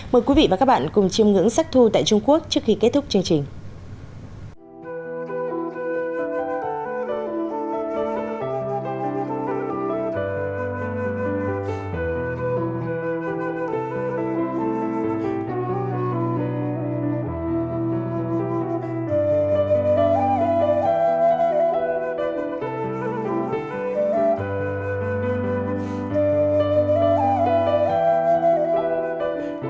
mời quý vị và các bạn cùng chiêm ngưỡng sắc thu tại trung quốc trước khi kết thúc chương trình